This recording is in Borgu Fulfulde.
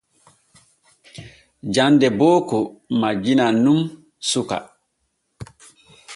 Jande booko majjinan nun suka.